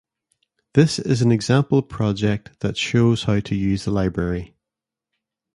This is an example project that shows how to use the library